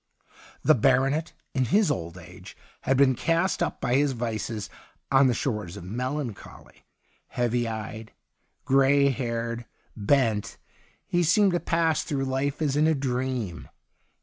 The baronet, in his old age, had been cast up by his vices on the shores of melancholy ; heavy eyed, gray haired, bent, he seemed to pass through life as in a dream.